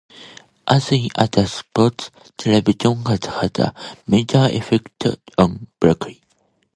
As in other sports, television has had a major effect on hockey.